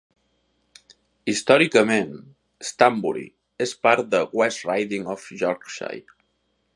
Històricament, Stanbury es part del West Riding of Yorkshire.